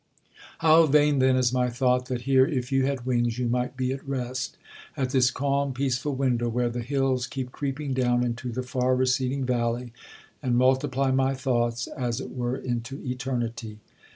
How vain then is my thought that here, if you had wings, you might be at rest at this calm peaceful window where the hills keep creeping down into the far receding valley and multiply my thoughts as it were into Eternity.